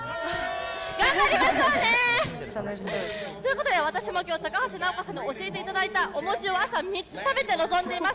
頑張りましょうね！ということで私も今日高橋尚子さんに教えていただいたお餅を朝、３つ食べて臨んでいます。